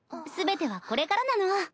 全てはこれからなの。